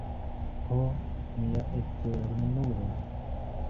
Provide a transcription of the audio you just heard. Ho mia Eternulo!